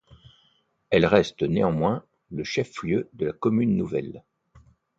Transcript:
Elle reste néanmoins le chef-lieu de la commune nouvelle.